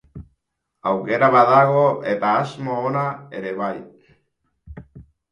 Aukera badago eta asmo ona ere bai.